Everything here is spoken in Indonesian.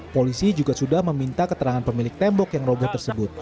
polisi juga sudah meminta keterangan pemilik tembok yang roboh tersebut